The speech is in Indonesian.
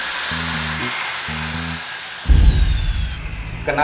sekarang tangan kalian cepet taruh di atas meja